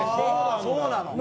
そうなの？